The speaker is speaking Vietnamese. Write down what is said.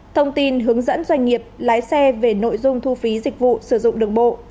thông tin hướng dẫn doanh nghiệp lái xe về nội dung thu phí dịch vụ sử dụng đường bộ